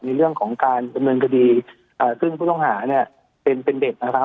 ในเรื่องของการอำนวงคดีซึ่งผู้ต้องหาเป็นเด็กนะครับ